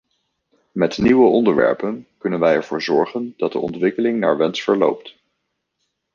Met nieuwe onderwerpen kunnen wij ervoor zorgen dat de ontwikkeling naar wens verloopt.